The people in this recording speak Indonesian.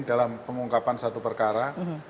dalam pengungkapan satu perkara